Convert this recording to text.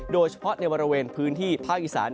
โดยเฉพาะในบริเวณพื้นที่ภาคอีสาน